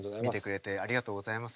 ありがとうございます。